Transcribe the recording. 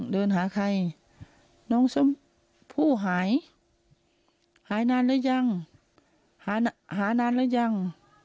เดินหาใครน้องชมพู่หายหายนานแล้วยังหาหานานแล้วยัง